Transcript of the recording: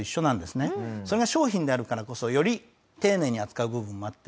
それが商品であるからこそより丁寧に扱う部分もあって。